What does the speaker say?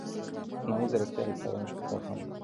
مصنوعي ځیرکتیا د څارنې خطر هم لري.